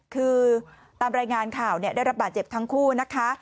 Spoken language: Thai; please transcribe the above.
คือตามรายงานข่าวได้รับบาดเจ็บทั้งคู่นะคะ